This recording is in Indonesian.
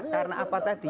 karena apa tadi